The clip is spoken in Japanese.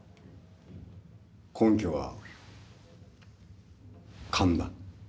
根拠は勘だ。